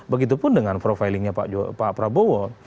begitu pun dengan profilingnya pak prabowo